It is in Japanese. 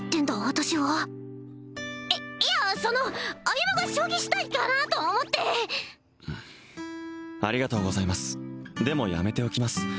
私はいいやその歩が将棋したいかなと思ってありがとうございますでもやめておきます